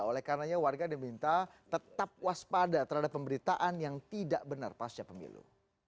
oleh karenanya warga diminta tetap waspada terhadap pemberitaan yang tidak benar pasca pemilu